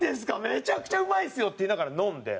「めちゃくちゃうまいっすよ」って言いながら飲んで。